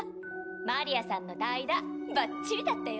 まりあさんの代打バッチリだったよ。